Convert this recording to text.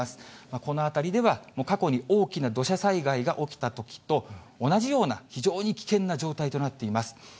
この辺りでは、過去に大きな土砂災害が起きたときと同じような、非常に危険な状態となっています。